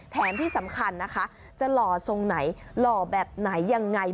แถมที่สำคัญนะคะจะหล่อทรงไหนหล่อแบบไหนยังไง